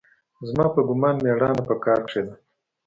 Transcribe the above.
زما په ګومان مېړانه په کار کښې ده.